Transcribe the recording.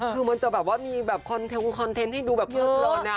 คือมันจะแบบว่ามีแบบคอนเทนต์คุณคอนเทนต์ให้ดูแบบเบื้องเบื้อนอะ